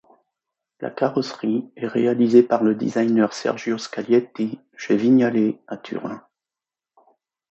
La carrosserie est réalisée par le designer Sergio Scaglietti chez Vignale à Turin.